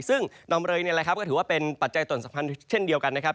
ซึ่งดอมเรย์นี่แหละครับก็ถือว่าเป็นปัจจัยตัวสำคัญเช่นเดียวกันนะครับ